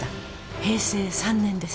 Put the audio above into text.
平成３年です。